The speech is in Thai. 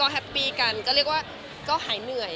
เห็นงานออกมาก็หายเหนื่อย